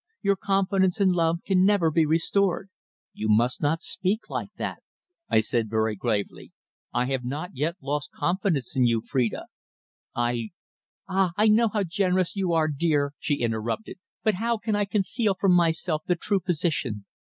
Your confidence and love can never be restored." "You must not speak like that," I said very gravely. "I have not yet lost confidence in you, Phrida. I " "Ah! I know how generous you are, dear," she interrupted, "but how can I conceal from myself the true position?